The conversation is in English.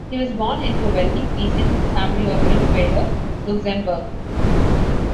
He was born into a wealthy peasant family of Rippweiler, Luxembourg.